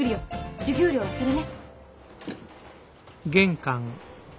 授業料はそれね。